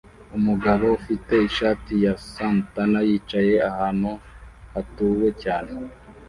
Umugabo ufite ishati ya SANTANA yicaye ahantu hatuwe cyane